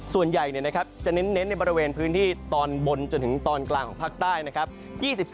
ส่วนใหญ่จะเน้นในบริเวณพื้นที่ตอนบนจนถึงตอนกลางของภาคใต้นะครับ